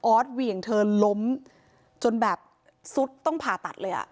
เหวี่ยงเธอล้มจนแบบสุดต้องผ่าตัดเลยอ่ะ